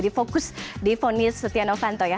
di ponis setianu fanto ya